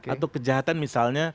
atau kejahatan misalnya